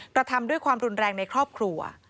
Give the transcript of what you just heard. กระทำด้วยความรุนแรงในครอบครัว